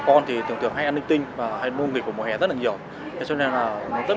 con thì thường thường hay ăn linh tinh và hay mua nghịch của mùa hè rất là nhiều cho nên là nó rất